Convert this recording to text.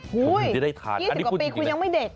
๒๐กว่าปีคุณยังไม่เด็กอะ